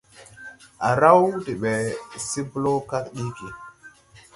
Á raw de ɓɛ se blɔɔ kag ɗiigi.